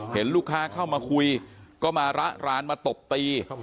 เห็นลูกค้าเข้ามาคุยก็มาระรานมาตบตี